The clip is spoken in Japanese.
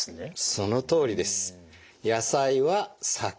そのとおりです。